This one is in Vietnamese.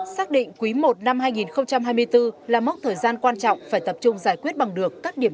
xác định quý i năm hai nghìn hai mươi bốn là mốc thời gian quan trọng phải tập trung giải quyết bằng được các điểm